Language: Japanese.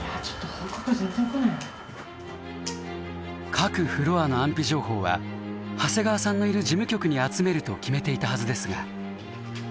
各フロアの安否情報は長谷川さんのいる事務局に集めると決めていたはずですが報告が来ません。